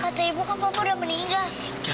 kata ibu kan papa udah meninggal